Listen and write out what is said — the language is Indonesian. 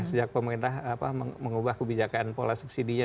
sejak pemerintah mengubah kebijakan pola subsidi nya